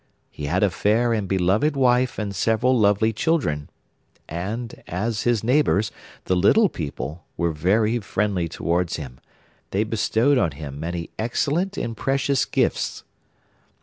He had a fair and beloved wife and several lovely children: and as his neighbours, the little people, were very friendly towards him, they bestowed on him many excellent and precious gifts.